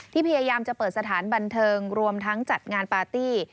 พยายามจะเปิดสถานบันเทิงรวมทั้งจัดงานปาร์ตี้